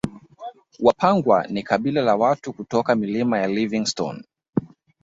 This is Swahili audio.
Wapangwa ni kabila la watu kutoka Milima Livingstone